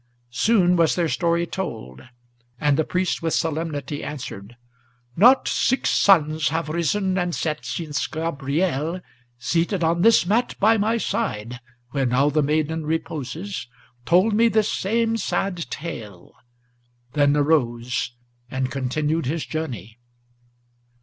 Soon was their story told; and the priest with solemnity answered: "Not six suns have risen and set since Gabriel, seated On this mat by my side, where now the maiden reposes, Told me this same sad tale; then arose and continued his journey!"